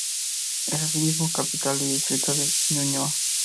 Es asimismo capital del distrito de Ñuñoa.